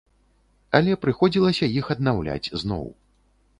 Але прыходзілася іх аднаўляць зноў.